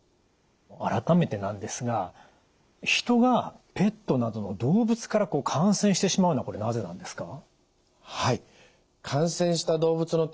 改めてなんですが人がペットなどの動物から感染してしまうのはなぜなんですか？